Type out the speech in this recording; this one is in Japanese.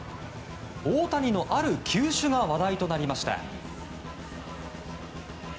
大谷の、ある球種が話題となりました。